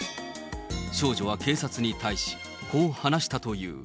少女は警察に対し、こう話したという。